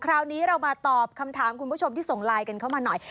คราวนี้เรามาตอบคำถามคุณผู้ชมที่ส่งไลน์กันเข้ามาหน่อย